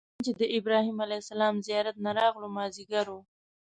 نن چې د ابراهیم علیه السلام زیارت نه راغلو مازیګر و.